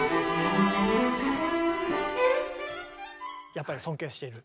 やっぱり尊敬している？